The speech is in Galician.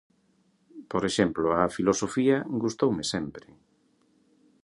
Por exemplo, a filosofía gustoume sempre.